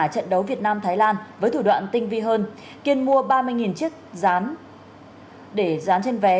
trận đấu việt nam thái lan với thủ đoạn tinh vi hơn kiên mua ba mươi chiếc rán để dán trên vé